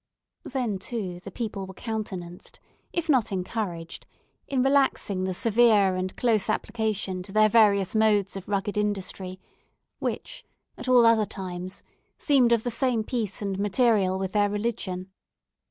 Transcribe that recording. Then, too, the people were countenanced, if not encouraged, in relaxing the severe and close application to their various modes of rugged industry, which at all other times, seemed of the same piece and material with their religion.